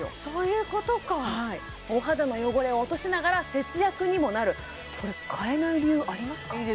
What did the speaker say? そういうことかお肌の汚れを落としながら節約にもなるこれ替えない理由ありますか？